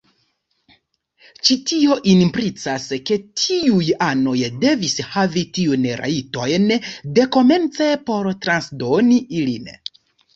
Ĉi tio implicas ke tiuj anoj devis havi tiujn rajtojn dekomence por transdoni ilin.